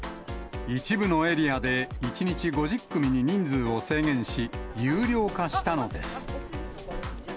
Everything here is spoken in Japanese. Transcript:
一部のエリアで、１日５０組に人数を制限し、有料化したのです。